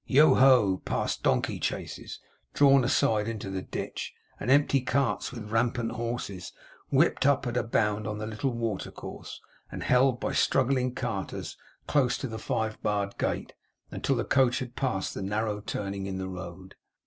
Yoho, past donkey chaises, drawn aside into the ditch, and empty carts with rampant horses, whipped up at a bound upon the little watercourse, and held by struggling carters close to the five barred gate, until the coach had passed the narrow turning in the road.